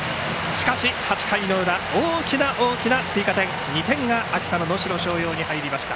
８回の裏、大きな大きな追加点２点が秋田の能代松陽に入りました。